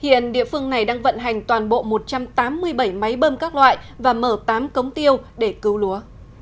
hiện địa phương này đang vận hành toàn bộ một trăm tám mươi bảy máy bơm các loại và mở tám cống tiêu để cứu lúa